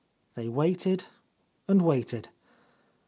They waited and waited.